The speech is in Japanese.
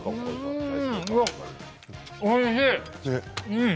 おいしい。